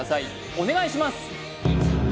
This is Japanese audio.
お願いします